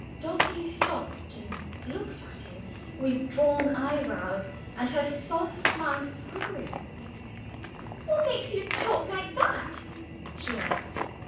Dulcie stopped and looked at him, with drawn eyebrows and her soft mouth quivering. "What makes you talk like that?" she asked.